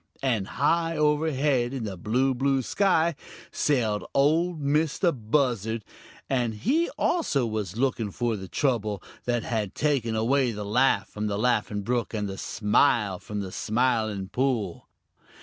And high overhead in the blue, blue sky sailed Ol' Mistah Buzzard, and he also was looking for the trouble that had taken away the laugh from the Laughing Brook and the smile from the Smiling Pool.